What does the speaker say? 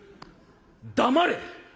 「黙れ！